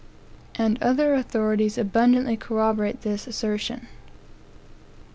" And other authorities abundantly corroborate this assertion.